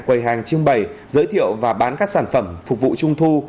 quầy hàng trưng bày giới thiệu và bán các sản phẩm phục vụ trung thu